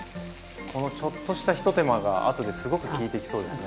このちょっとしたひと手間があとですごく効いてきそうですね。